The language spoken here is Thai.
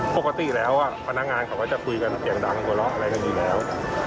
ปกติแล้วพนักงานเขาก็จะคุยกันเสียงดังหัวเราะอะไรกันอยู่แล้ว